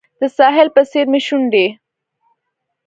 د ساحل په څیر مې شونډې